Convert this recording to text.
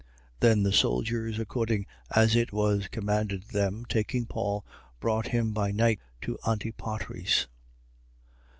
23:31. Then the soldiers, according as it was commanded them, taking Paul, brought him by night to Antipatris.